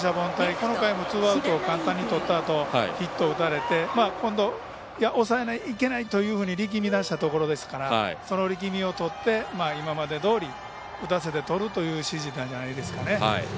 この回もツーアウトを簡単にとったあとヒットを打たれて、今度は抑えにいかないといけないと力みだしたところですからその力みをとって今までどおり打たせてとるという指示なんじゃないですかね。